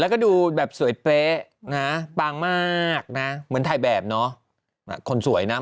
แล้วก็ดูแบบสวยเป๊ะนะปางมากนะเหมือนถ่ายแบบเนาะคนสวยนะ